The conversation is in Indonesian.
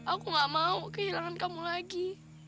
aku gak mau kehilangan kamu lagi